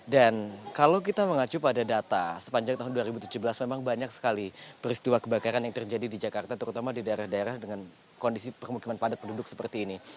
dan kalau kita mengacu pada data sepanjang tahun dua ribu tujuh belas memang banyak sekali peristiwa kebakaran yang terjadi di jakarta terutama di daerah daerah dengan kondisi permukiman padat penduduk seperti ini